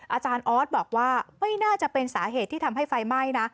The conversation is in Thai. อาจารย์ออสบอกว่าไม่น่าจะเป็นสาเหตุที่ทำให้ไฟไหม้นะ